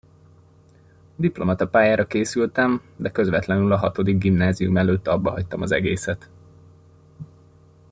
Diplomata pályára készültem, de közvetlenül a hatodik gimnázium előtt abbahagytam az egészet.